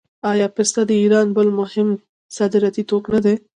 آیا پسته د ایران بل مهم صادراتي توکی نه دی؟